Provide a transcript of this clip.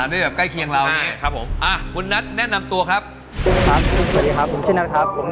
อะไรหลีตรงนี้ขึ้นเลยสิผู้ถูกว่านรับไม่รู้ราคาศาสตร์